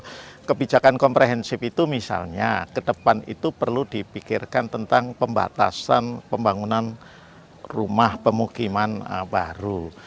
jadi kalau kebijakan komprehensif itu misalnya kedepan itu perlu dipikirkan tentang pembatasan pembangunan rumah pemukiman baru